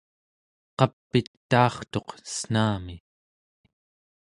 qap'itaartuq cen̄ami